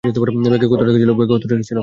ব্যাগে কত টাকা ছিল?